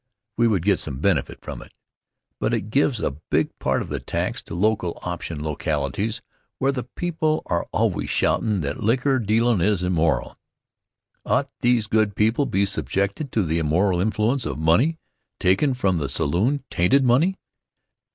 We would get some benefit from it, but it gives a big part of the tax to local option localities where the people are always shoutin' that liquor dealin' is immoral. Ought these good people be subjected to the immoral influence of money taken from the saloon tainted money?